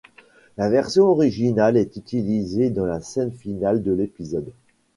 La version originale est utilisée dans la scène finale de l'épisode.